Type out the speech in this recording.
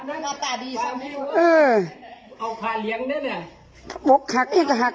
เอาผ้าเลี้ยงน่ะน่ะ